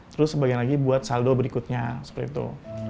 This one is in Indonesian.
terus sebagian lagi buat saldo berikutnya seperti itu